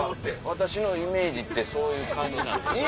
「私のイメージってそういう感じなんですか？」。